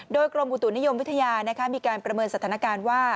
โดยกรมอุตุนิยมวิทยามีการประเมินสถานการณ์ว่า